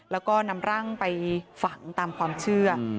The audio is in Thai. แล้วก็นำร่างไปฝังตามความเชื่อ